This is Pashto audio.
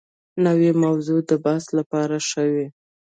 نوې موضوع د بحث لپاره ښه وي